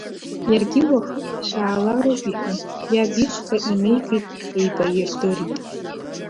Иаргьы уахык, шәаалароуп иҳәан, иаб ишҟа инеигеит, еибаирдырит.